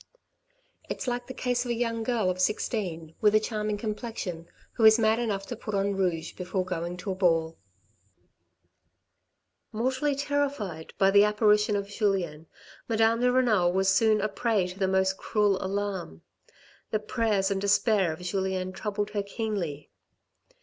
It's like the case of a young girl of sixteen with a charming complexion who is mad enough to put on rouge before going to a ball. 92 THE RED AND THE BLACK Mortally terrified by the apparition of Julien, Madame de Renal was soon a prey to the most cruel alarm. The prayers and despair of Julien troubled her keenly.